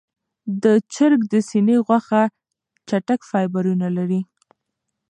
د چرګ د سینې غوښه چټک فایبرونه لري.